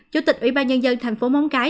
chủ tịch ủy ban nhân dân thành phố móng cái